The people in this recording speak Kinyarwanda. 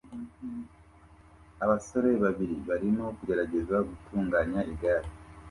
Abasore babiri barimo kugerageza gutunganya igare